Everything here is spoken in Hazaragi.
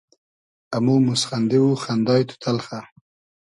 امو موسخئندی و خئندای تو تئلخۂ